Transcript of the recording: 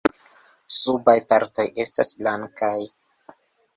Subaj partoj estas blankaj.